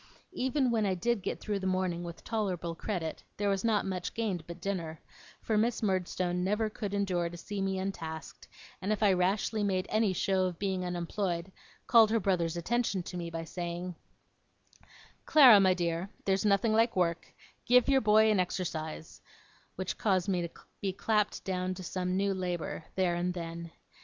Even when I did get through the morning with tolerable credit, there was not much gained but dinner; for Miss Murdstone never could endure to see me untasked, and if I rashly made any show of being unemployed, called her brother's attention to me by saying, 'Clara, my dear, there's nothing like work give your boy an exercise'; which caused me to be clapped down to some new labour, there and then.